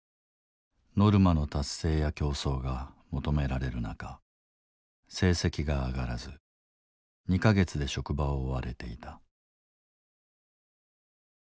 ノルマの達成や競争が求められる中成績が上がらず２か月で職場を追われていた。